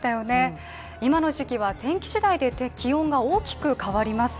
今の時期は天気次第で気温が大きく変わります